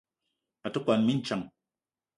A te kwuan mintsang.